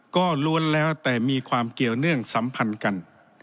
ก็ล้วนแล้วแต่มีความเกี่ยวเนื่องสัมพันธ์กัน